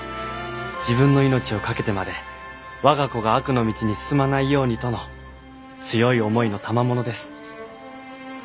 自分の命を懸けてまで我が子が悪の道に進まないようにとの強い思いの賜物です。